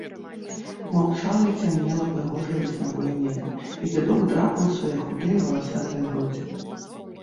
Маўчала і цямнела прыгожае веснавое неба, і дзядок драпаў свае худыя валасатыя грудзі.